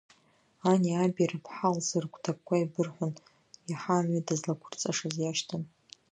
Ани аби рыԥҳа лзы рыгәҭакқәа еибырҳәон, иаҳа амҩа дызлақәырҵашаз иашьҭан.